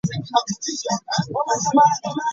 Ani yabagamba nti ssizaalwa wano?